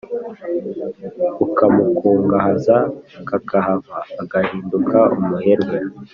Ukamukungahaza kakahava agahinduka umuherwe